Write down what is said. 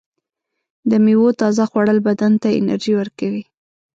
د میوو تازه خوړل بدن ته انرژي ورکوي.